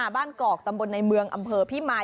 กอกตำบลในเมืองอำเภอพิมาย